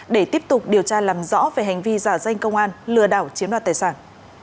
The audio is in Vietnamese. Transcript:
để tiếp tục điều tra làm rõ về hành vi giả danh công an lừa đảo chiếm đoạt tài sản